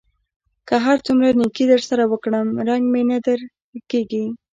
که هر څومره نېکي در سره وکړم؛ رنګ مې نه در ښه کېږي.